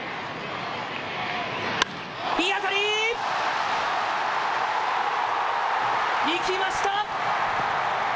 いい当たり。いきました。